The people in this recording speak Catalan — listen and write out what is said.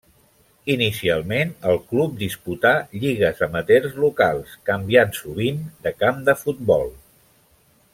Inicialment el club disputà lligues amateurs locals, canviant sovint de camp de futbol.